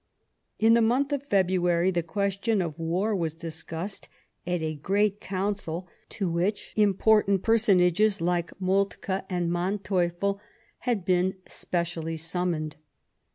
In the month of February the question of war was discussed at a great Council, to which important 82 Sadowa personages, like Moltke and Manteuffel, had been specially summoned.